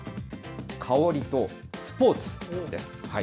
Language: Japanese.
香りとスポーツです。